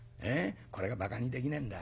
これがばかにできねえんだ。